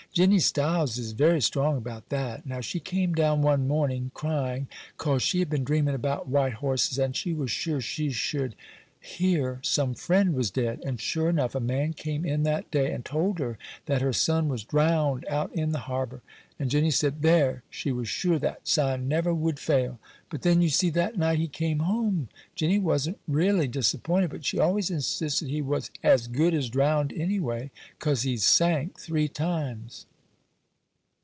Jinny Styles is very strong about that. Now she came down one morning crying, 'cause she had been dreaming about white horses, and she was sure she should hear some friend was dead. And sure enough, a man came in that day and told her that her son was drown'd out in the harbour. And Jinny said, "There, she was sure that sign never would fail." But then, ye see, that night he came home. Jinny wan't reely disappointed, but she always insisted he was as good as drowned, any way, "'cause he sank three times."